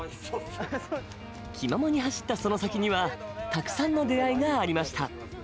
気ままに走ったその先にはたくさんの出会いがありました。